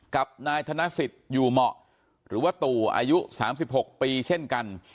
กับนายธนศิษยูหมะหรือว่าตู่อายุ๓๖ปีเช่นกัน